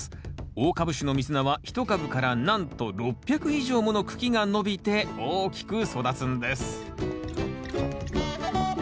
大株種のミズナは一株からなんと６００以上もの茎が伸びて大きく育つんです